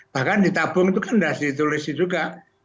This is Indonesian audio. bahkan ditabung itu kan tidak ditulis juga